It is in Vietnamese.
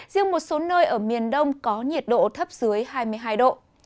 riêng một số nơi ở miền đông có nhiệt độ thấp dưới hai mươi hai độ